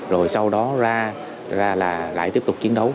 rồi sau đó ra là lại tiếp tục chiến đấu